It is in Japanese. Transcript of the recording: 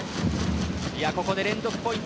ここで連続ポイント